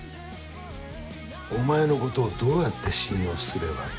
お前のことをどうやって信用すればいい？